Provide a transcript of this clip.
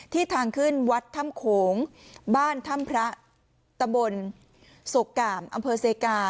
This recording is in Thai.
ทางขึ้นวัดถ้ำโขงบ้านถ้ำพระตำบลโศกก่ามอำเภอเซกา